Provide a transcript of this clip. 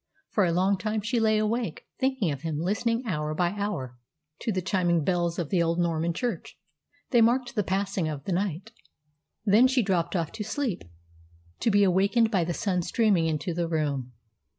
For a long time she lay awake, thinking of him, listening hour by hour to the chiming bells of the old Norman church. They marked the passing of the night. Then she dropped off to sleep, to be awakened by the sun streaming into the room.